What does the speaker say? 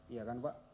iya kan pak